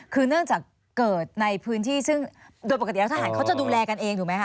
คือเนื่องจากเกิดในพื้นที่ซึ่งโดยปกติแล้วทหารเขาจะดูแลกันเองถูกไหมคะ